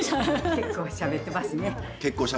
結構しゃべってますね。